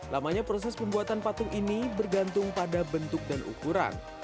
lamanya proses pembuatan patung ini bergantung pada bentuk dan ukuran